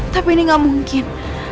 tapi ini gak mungkin